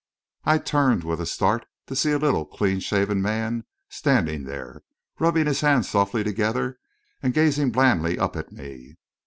I turned with a start to see a little, clean shaven man standing there, rubbing his hands softly together and gazing blandly up at me.